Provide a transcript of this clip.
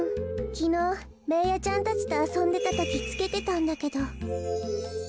きのうベーヤちゃんたちとあそんでたときつけてたんだけど。